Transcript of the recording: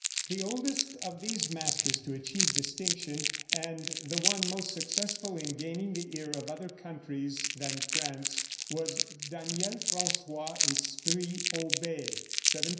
] The oldest of these masters to achieve distinction, and the one most successful in gaining the ear of other countries than France, was Daniel François Esprit Auber (1782 1870).